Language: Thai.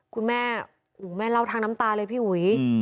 คุณแม่แม่เล่าทางน้ำตาเลยพี่หุย